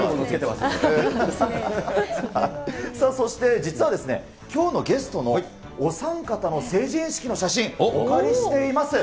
そして、実は、きょうのゲストのお三方の成人式の写真、お借りしています。